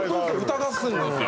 歌合戦ですよ